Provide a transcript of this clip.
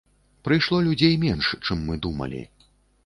Прыйшло людзей менш, чым мы думалі.